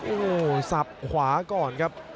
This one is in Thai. โอ้โหสับขวาก่อนครับ